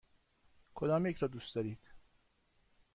کدامیک را دوست دارید؟